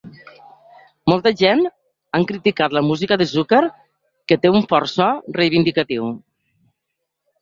Molta gent han criticat la música de Zucker, que té un fort so reivindicatiu.